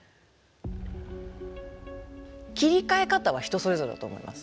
切り替え方は人それぞれだと思います。